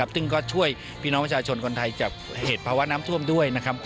ซึ่งก็ช่วยพี่น้องประชาชนคนไทยจากเหตุภาวะน้ำท่วมด้วยนะครับ